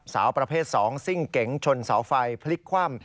สาวประเภท๒ซิ่งเก๋งชนเสาไฟพลิกคว่ำ